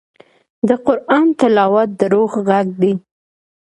د قرآن تلاوت د روح غږ دی.